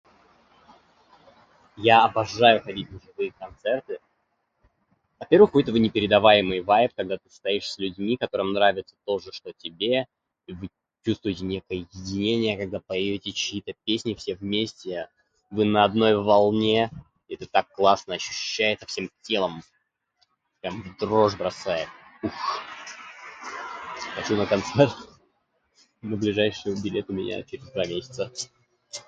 Я обожаю ходить на живые концерты. Во-первых, у этого непередаваемый вайб, когда ты стоишь с людьми, которым нравится то же, что тебе, и вы чувствуете некое единение, когда поёте чьи-то песни все вместе. Вы на одной волне, и это так классно ощущается всем телом. Прям в дрожь бросает, ух! Хочу на концерт, но ближайший билет у меня через два месяца.